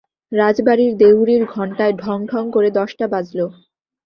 রাজবাড়ির দেউড়ির ঘণ্টায় ঢং ঢং করে দশটা বাজল।